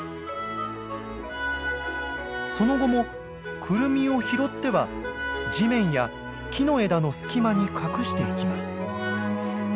その後もクルミを拾っては地面や木の枝の隙間に隠していきます。